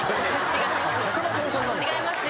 違います。